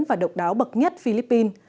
và độc đáo bậc nhất philippines